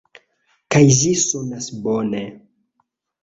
Kaj ĝi sonas bone.